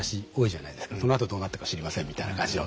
そのあとどうなったか知りませんみたいな感じの。